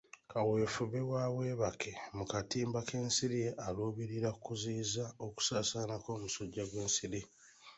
Kaweefube wa webake mu katimba k'ensiri aluubirira kuziyiza okusaasaana kw'omusujja gw'ensiri.